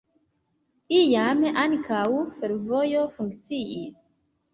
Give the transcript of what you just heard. Iam ankaŭ fervojo funkciis.